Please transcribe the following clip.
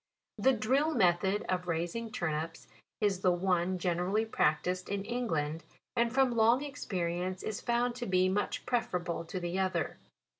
The drill method of raising turnips is the one generally practised in England, and from long experience is found to be much prefer able to the other.